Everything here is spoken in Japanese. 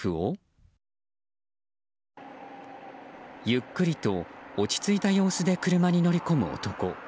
ゆっくりと落ち着いた様子で車に乗り込む男。